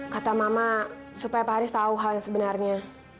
kata mama supaya pak haris tahu hal yang sebenarnya